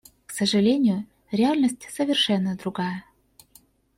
К сожалению, реальность совершенно другая.